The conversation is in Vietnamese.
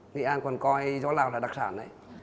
nghệ an còn coi gió lào là đặc sản đấy